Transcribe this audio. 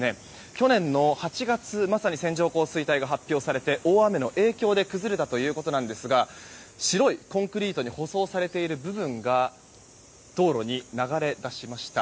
去年の８月まさに線状降水帯が発表されて大雨の影響で崩れたということですが白いコンクリートに舗装されている部分が道路に流れ出しました。